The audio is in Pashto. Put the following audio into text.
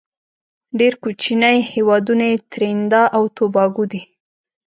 ډیر کوچینی هیوادونه یې تريندا او توباګو دی.